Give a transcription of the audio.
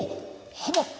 ハマった。